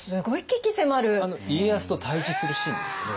家康と対峙するシーンですよね。